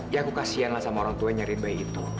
ya aku kasianlah sama orang tua yang nyariin bayi itu